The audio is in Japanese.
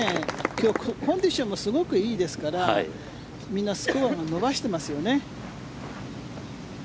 今日、コンディションがすごくいいですからみんなスコアを伸ばしていますよね。